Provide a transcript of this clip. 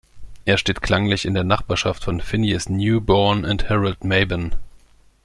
Er steht klanglich in der Nachbarschaft von Phineas Newborn und Harold Mabern.